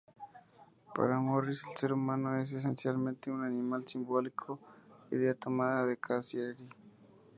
Para Morris el ser humano es esencialmente un "animal simbólico", idea tomada de Cassirer.